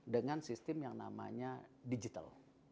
dengan sistem yang namanya digital